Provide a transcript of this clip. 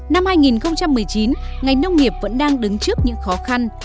năm hai nghìn một mươi chín ngành nông nghiệp vẫn đang đứng trước những khó khăn